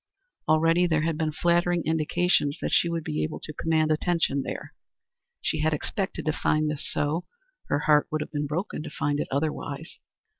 Already there had been flattering indications that she would be able to command attention there. She had expected to find this so; her heart would have been broken to find it otherwise.